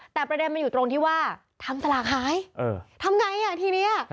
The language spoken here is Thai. แต่ประเด็นมันอยู่ตรงที่ว่าทำสลากหายทำไงอ่ะทีนี้